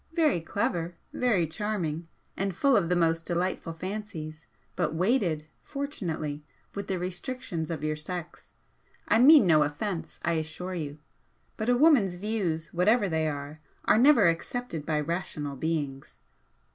Very clever very charming and full of the most delightful fancies, but weighted (fortunately) with the restrictions of your sex. I mean no offence, I assure you, but a woman's 'views,' whatever they are, are never accepted by rational beings."